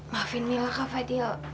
maafin mila kak fadil